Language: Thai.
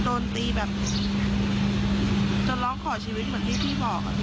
มันร้องไม่ออกพี่